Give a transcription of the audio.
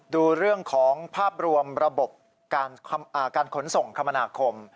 ดูเรื่องของภาพรวมระบบการขนส่งคมนาคม